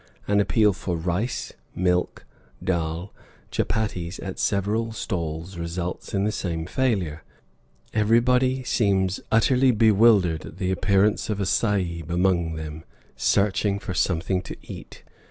An appeal for rice, milk, dhal, chuppatties, at several stalls results in the same failure; everybody seems utterly bewildered at the appearance of a Sahib among them searching for something to eat.